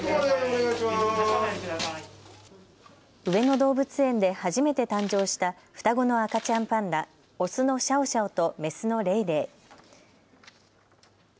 上野動物園で初めて誕生した双子の赤ちゃんパンダ、オスのシャオシャオとメスのレイレイ。